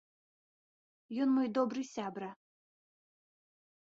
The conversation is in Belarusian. Ён мой добры сябра.